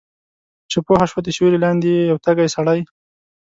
چې پوهه شوه د سیوری لاندې یې یو تږی سړی